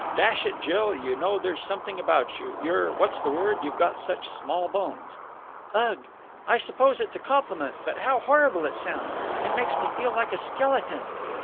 "Dash it, Jill, you know, there's something about you! You're what's the word? you've got such small bones." "Ugh! I suppose it's a compliment, but how horrible it sounds! It makes me feel like a skeleton."